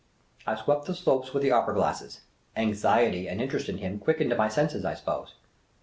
I swept the slopes with the opera glasses. Anxiety and interest in him quickened my senses, I suppose.